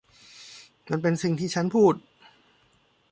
มันเป็นสิ่งที่ฉันพูด ?